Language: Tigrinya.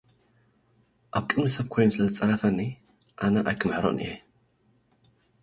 ኣብ ቅድሚ ሰብ ኮይኑ ስለዝጸረፈኒ ኣነ ኣይክምሕሮን እየ።